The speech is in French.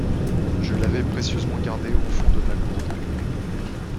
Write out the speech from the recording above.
Je l’avais précieusement gardée au fond de ma gourde.